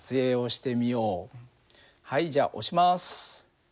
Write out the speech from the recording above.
はいじゃあ押します。